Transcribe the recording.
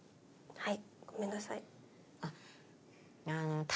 はい。